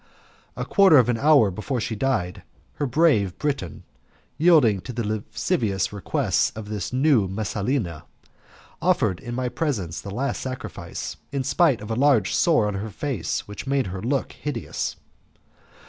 A quarter of an hour before she died, her brave Briton, yielding to the lascivious requests of this new Messalina, offered in my presence the last sacrifice, in spite of a large sore on her face which made her look hideous.